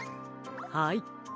はい。